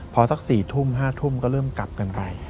พอสัก๔ทุ่ม๕ทุ่มก็เริ่มกลับกันไป